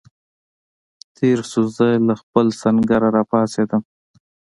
تېر شو، زه له خپل سنګره را پاڅېدم.